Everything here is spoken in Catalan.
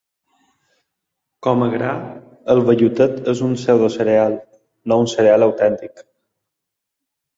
Com a gra, el vellutet és un pseudocereal, no un cereal autèntic.